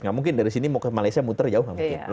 nggak mungkin dari sini mau ke malaysia muter jauh